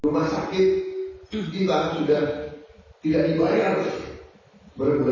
rumah sakit tutipan sudah tidak dibayar berbulan bulan